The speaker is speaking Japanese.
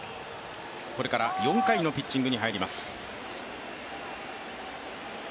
これから４回のピッチングに入ります。